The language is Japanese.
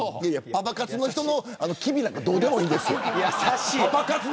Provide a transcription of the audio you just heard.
パパ活の人の機微なんかどうでもいいです。